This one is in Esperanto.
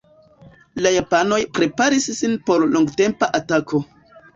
La japanoj preparis sin por longtempa atako.